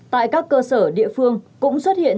tại các cơ sở địa phương cũng xuất hiện